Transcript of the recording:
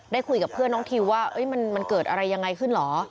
คุยกับเพื่อนน้องทิวว่ามันเกิดอะไรยังไงขึ้นเหรอ